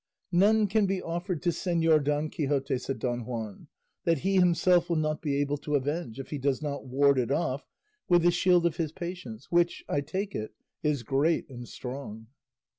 "None can be offered to Señor Don Quixote," said Don Juan, "that he himself will not be able to avenge, if he does not ward it off with the shield of his patience, which, I take it, is great and strong."